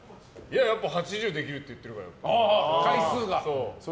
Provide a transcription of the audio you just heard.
やっぱ８０できるって言ってるから。